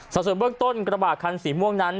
ส่วนเบื้องต้นกระบาดคันสีม่วงนั้น